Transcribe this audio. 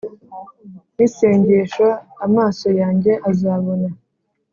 n'isengesho amaso yanjye azabona;